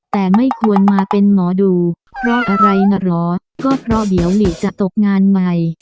แต่ไม่ควรมาเป็นหมอดูเพราะอะไรน่ะเหรอก็เพราะเดี๋ยวหลีจะตกงานใหม่